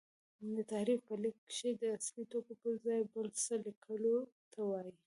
تحریف په لیک کښي د اصلي ټکو پر ځای بل څه لیکلو ته وايي.